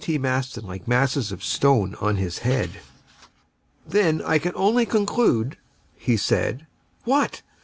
T. Maston like masses of stone on his head. "Then I can only conclude" said he. "What?"